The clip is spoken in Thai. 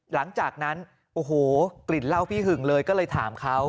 หลังจากนั้นโอ้โหกลิ่นเหล้าพี่หึงเลยก็เลยถามเขา